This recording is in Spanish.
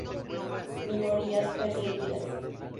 Minorías Perseguidas.